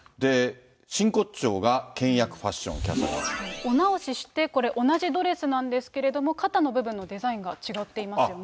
真骨頂が倹約ファッション、キャお直しして、これ、同じドレスなんですけれども、肩の部分のデザインが違っていますよね。